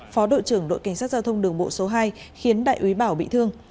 phó đội trưởng đội cảnh sát giao thông đường bộ số hai khiến đại úy bảo bị thương